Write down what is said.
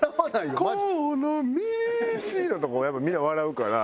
「この道」のとこやっぱみんな笑うから。